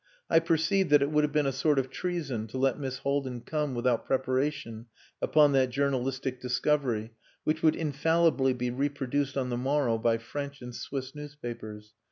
I perceived that it would have been a sort of treason to let Miss Haldin come without preparation upon that journalistic discovery which would infallibly be reproduced on the morrow by French and Swiss newspapers.